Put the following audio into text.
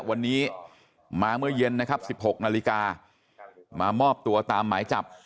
วันนี้มาเมื่อเย็นนะครับ๑๖นาฬิกามามอบตัวตามหมายจับ